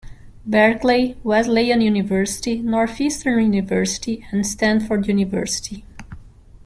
Berkeley, Wesleyan University, Northeastern University, and Stanford University.